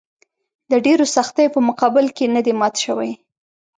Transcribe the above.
د ډېرو سختیو په مقابل کې نه دي مات شوي.